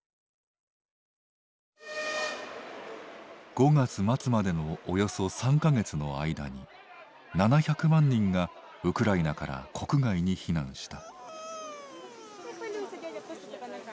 ５月末までのおよそ３か月の間に７００万人がウクライナから国外に避難した。